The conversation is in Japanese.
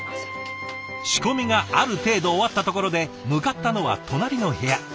仕込みがある程度終わったところで向かったのは隣の部屋。